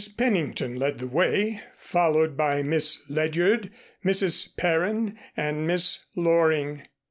Pennington led the way, followed by Miss Ledyard, Mrs. Perrine and Miss Loring.